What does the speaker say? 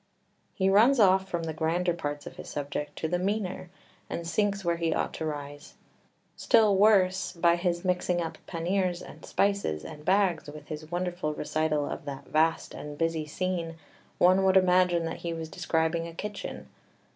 3 He runs off from the grander parts of his subject to the meaner, and sinks where he ought to rise. Still worse, by his mixing up panniers and spices and bags with his wonderful recital of that vast and busy scene one would imagine that he was describing a kitchen.